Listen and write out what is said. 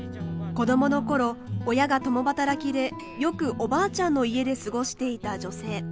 子どもの頃親が共働きでよくおばあちゃんの家で過ごしていた女性。